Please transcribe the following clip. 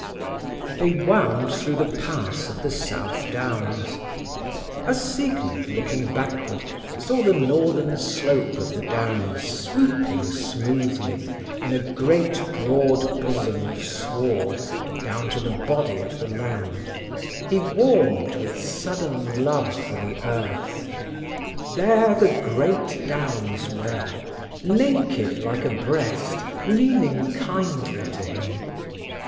They wound through the pass of the South Downs. As Siegmund, looking backward, saw the northern slope of the downs swooping smoothly, in a great, broad bosom of sward, down to the body of the land, he warmed with sudden love for the earth; there the great downs were, naked like a breast, leaning kindly to him.